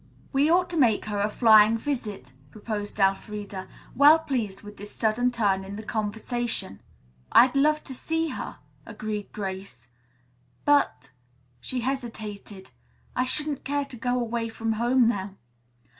"We ought to make her a flying visit," proposed Elfreda, well pleased with this sudden turn in the conversation. "I'd love to see her," agreed Grace, "but " She hesitated. "I shouldn't care to go away from home now.